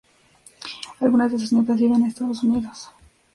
Algunas de sus nietas viven en Estados Unidos.